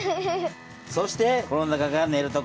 そしてこの中がねる所。